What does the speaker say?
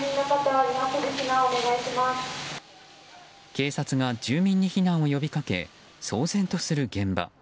警察が住民に避難を呼びかけ騒然とする現場。